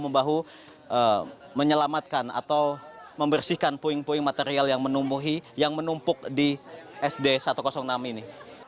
membahutkan atau membersihkan poing poing material yang menumpuk di sd satu ratus enam ini